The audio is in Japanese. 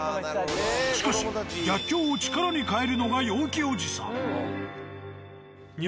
しかし逆境を力に変えるのが陽気おじさん。